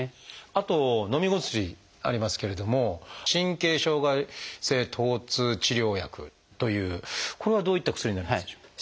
あとのみ薬ありますけれども神経障害性とう痛治療薬というこれはどういった薬になりますでしょうか？